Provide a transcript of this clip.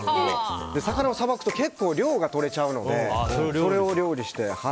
魚をさばくと結構、量がとれちゃうのでそれを料理してます。